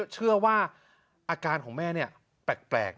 เชื่อว่าอาการของแม่แปลก